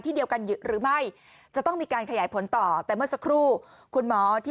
ที่เดียวกันหรือไม่จะต้องมีการขยายผลต่อ